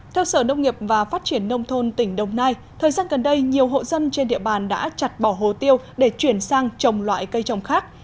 theo sở nông nghiệp và phát triển nông thôn tỉnh đồng nai thời gian gần đây nhiều hộ dân trên địa bàn đã chặt bỏ hồ tiêu để chuyển sang trồng loại cây trồng khác